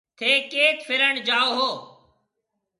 ٿَي ڪيٿ ڦِرڻ جائو هون۔